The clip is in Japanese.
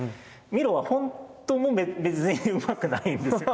ミロはほんとも別にうまくないんですよ。